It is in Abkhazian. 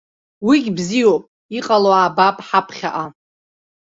Уигь бзиоуп, иҟало аабап ҳаԥхьаҟа.